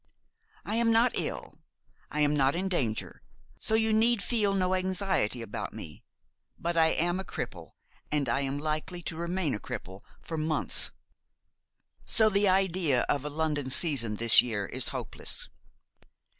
I am not ill, I am not in danger; so you need feel no anxiety about me; but I am a cripple; and I am likely to remain a cripple for months; so the idea of a London season this year is hopeless.